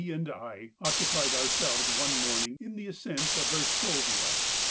and I occupied ourselves one morning in the ascent of Verstovia.